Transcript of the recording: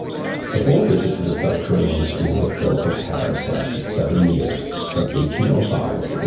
The whole visit to the subterranean stream of filth of Paris lasted seven years, from 1805 to 1812.